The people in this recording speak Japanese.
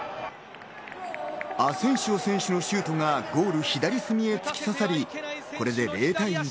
アセンシオ選手のシュートがゴール左隅に突き刺さり、これで０対１。